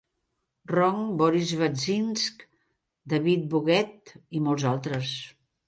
Ronk, Boris Baczynskj, David Boggett i molts altres.